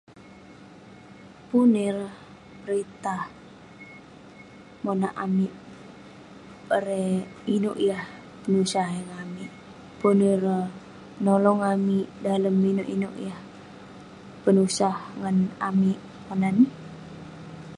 Pun ireh peritah monak amik erei inouk yah penusah ngan amik, pun ireh monolong amik dalem inouk inouk yah penusah ngan amik Ponan.